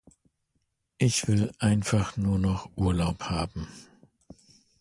Ich will einfach nur noch Urlaub haben.